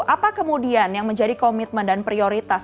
apa kemudian yang menjadi komitmen dan prioritas